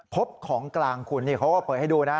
พบของกลางคุณนี่เขาก็เปิดให้ดูนะ